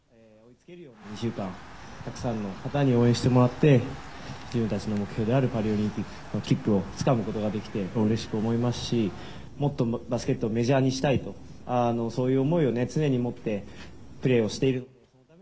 ２週間、たくさんの方に応援してもらって、自分たちの目標であるパリオリンピックの切符をつかむことができて、うれしく思いますし、もっとバスケットをメジャーにしたいと、そういう思いを常に持ってプレーをしている。